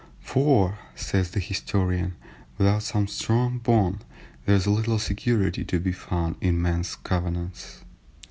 "For (says the historian) without some strong bond, there is little security to be found in men's covenants."